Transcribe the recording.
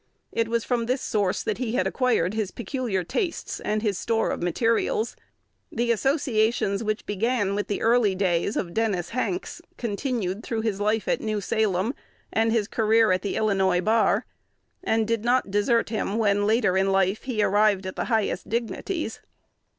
It was from this source that he had acquired his peculiar tastes and his store of materials. The associations which began with the early days of Dennis Hanks continued through his life at New Salem and his career at the Illinois Bar, and did not desert him when, later in life, he arrived at the highest dignities.